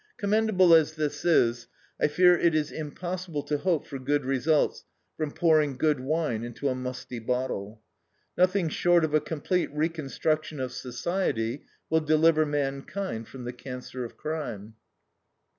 Commendable as this is, I fear it is impossible to hope for good results from pouring good wine into a musty bottle. Nothing short of a complete reconstruction of society will deliver mankind from the cancer of crime.